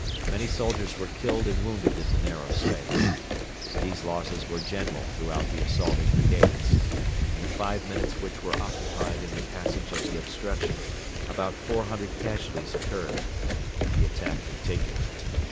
Many soldiers were killed and wounded in the narrow space. These losses were general throughout the assaulting brigades. In the five minutes which were occupied in the passage of the obstruction about four hundred casualties occurred. The attack continued.